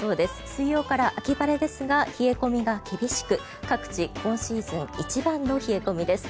水曜から秋晴れですが冷え込みが厳しく各地、今シーズン一番の冷え込みです。